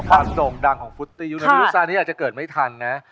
ความโด่งดังของฟรุตตี้ยุบิลที่เกิดไม่ทันนะ